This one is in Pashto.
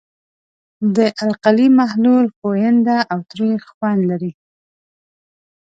د القلي محلول ښوینده او تریخ خوند لري.